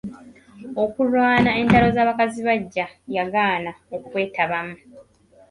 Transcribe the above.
Okulwana entalo z'abakazi baggya yagaana okukwetabamu.